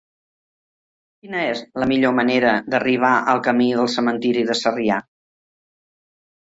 Quina és la millor manera d'arribar al camí del Cementiri de Sarrià?